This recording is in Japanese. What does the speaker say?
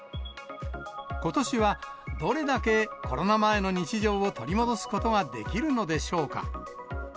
ことしは、どれだけコロナ前の日常を取り戻すことができるのでしょうか。